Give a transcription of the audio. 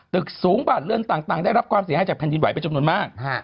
ตึกสูงบาทเรือนต่างได้รับความเสียหายจากแผ่นดินไหวไปจำนวนมาก